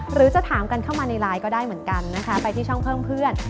หรือจะถามกันเข้ามาในไลน์ก็ได้เหมือนกันนะคะไปที่ช่องเพิ่มเพื่อน